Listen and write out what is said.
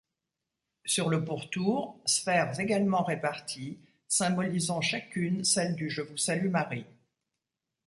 Sur le pourtour, sphères également réparties symbolisant chacune celle du Je vous salue Marie.